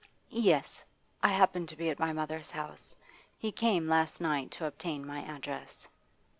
'Yes. I happened to be at my mother's house. He came last night to obtain my address.